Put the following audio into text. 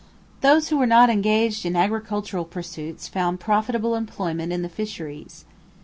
Those who were not engaged in agricultural pursuits found profitable employment in the fisheries.